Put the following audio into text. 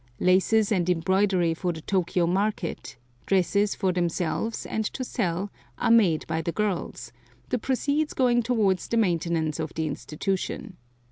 Laces and embroidery for the Tokio market, dresses for themselves and to sell, are made by the girls, the proceeds going toward the maintenance of the institution.